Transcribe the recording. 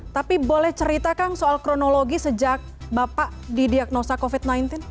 tapi boleh cerita kang soal kronologi sejak bapak didiagnosa covid sembilan belas